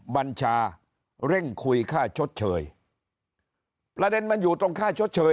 บัญชาเร่งคุยค่าชดเชยประเด็นมันอยู่ตรงค่าชดเชย